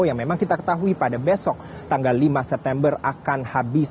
yang memang kita ketahui pada besok tanggal lima september akan habis